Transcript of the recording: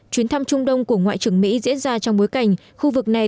chuyến thăm trung đông của ngoại trưởng mỹ diễn ra trong bối cảnh khu vực này